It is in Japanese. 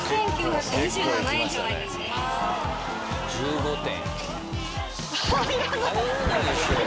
１５点。